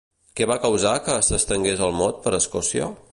Què va causar que s'estengués el mot per Escòcia?